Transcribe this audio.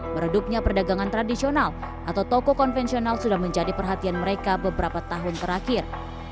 meredupnya perdagangan tradisional atau toko konvensional sudah menjadi perhatian mereka beberapa tahun terakhir